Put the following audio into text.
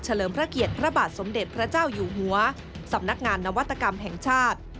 เลิมพระเกียรติพระบาทสมเด็จพระเจ้าอยู่หัวสำนักงานนวัตกรรมแห่งชาติ